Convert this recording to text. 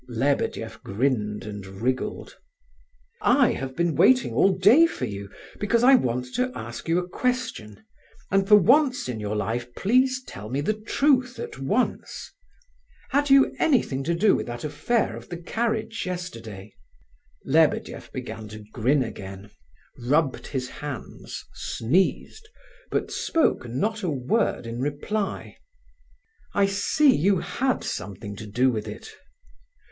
Lebedeff grinned and wriggled. "I have been waiting all day for you, because I want to ask you a question; and, for once in your life, please tell me the truth at once. Had you anything to do with that affair of the carriage yesterday?" Lebedeff began to grin again, rubbed his hands, sneezed, but spoke not a word in reply. "I see you had something to do with it."